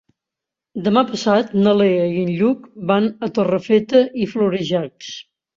Demà passat na Lea i en Lluc van a Torrefeta i Florejacs.